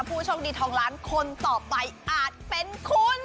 ผู้โชคดีทองล้านคนต่อไปอาจเป็นคุณ